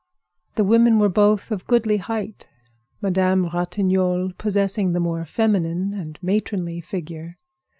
The women were both of goodly height, Madame Ratignolle possessing the more feminine and matronly figure.